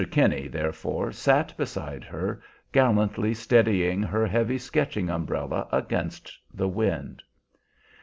Kinney, therefore, sat beside her, gallantly steadying her heavy sketching umbrella against the wind.